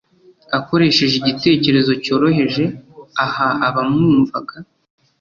Akoresheje igitekerezo cyoroheje aha abamwumvaga